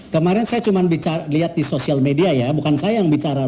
kemarin saya cuma lihat di sosial media ya bukan saya yang bicara